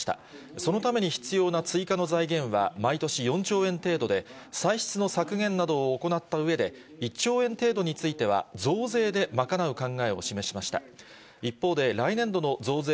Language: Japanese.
そのために必要な追加の財源は毎年４兆円程度で、歳出の削減などを行ったうえで、１兆円程度については、増税で賄う考えを示しました。